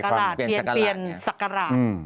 คือเปลี่ยนสักกราศ